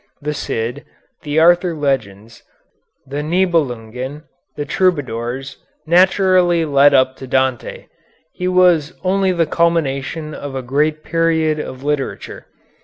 The Cid, the Arthur Legends, the Nibelungen, the Troubadours, naturally led up to Dante. He was only the culmination of a great period of literature.